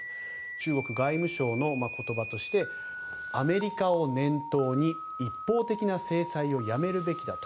中国外務省の言葉としてアメリカを念頭に一方的な制裁をやめるべきだと。